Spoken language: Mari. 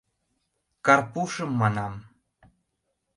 Карпушым манам...